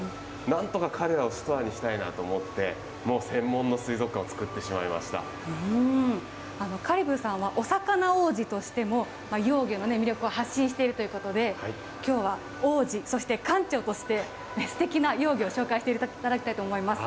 なんとか彼らをスターにしたいなと思って、もう専門の水族館を作香里武さんはお魚王子としても、幼魚の魅力を発信しているということで、きょうは王子、そして館長として、すてきな幼魚を紹介していただきたいと思います。